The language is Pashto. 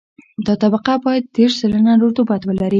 دا طبقه باید دېرش سلنه رطوبت ولري